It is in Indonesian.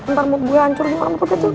ntar mood gue hancur jauh rambut kecil